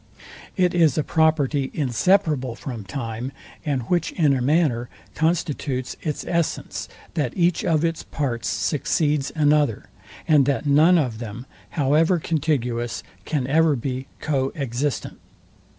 It is a property inseparable from time, and which in a manner constitutes its essence, that each of its parts succeeds another, and that none of them, however contiguous, can ever be co existent.